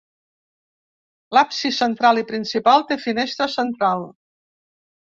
L'absis central i principal té finestra central.